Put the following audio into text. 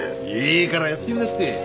いいからやってみなって。